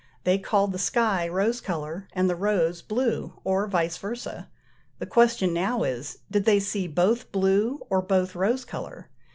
They called the sky rose colour, and the rose blue, or vice versâ. The question now is: did they see both blue or both rose colour?